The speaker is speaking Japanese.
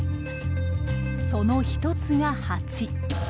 その一つがハチ。